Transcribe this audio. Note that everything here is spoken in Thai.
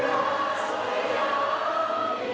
โอ้อินทรีย์โอ้อินทรีย์